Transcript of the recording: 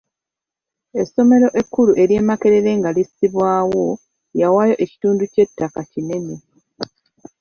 Essomero ekkulu ery'e Makerere nga lissibwawo yawaayo ekitundu ky'ettaka kinene.